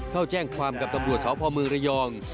เข้าแจ้งความกับตำรวจสศระยอง